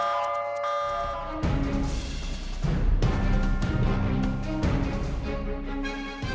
วิธี